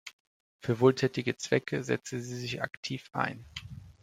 Für wohltätige Zwecke setzte sie sich aktiv ein.